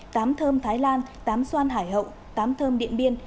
tám thơm thái lan tám xoan hải hậu tám thơm điện biên